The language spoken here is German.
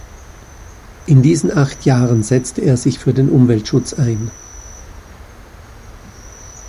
In diesen acht Jahren setzte er sich für den Umweltschutz ein.